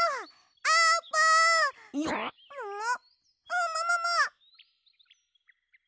ももももっ！